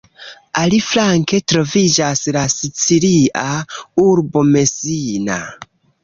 Aliflanke troviĝas la sicilia urbo Messina.